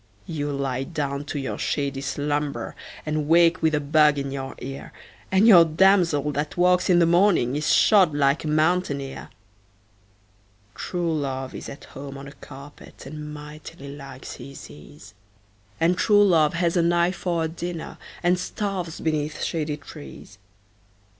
You lie down to your shady slumber And wake with a bug in your ear, And your damsel that walks in the morning Is shod like a mountaineer. True love is at home on a carpet, And mightily likes his ease And true love has an eye for a dinner, And starves beneath shady trees.